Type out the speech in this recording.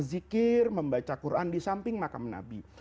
zikir membaca quran disamping makam nabi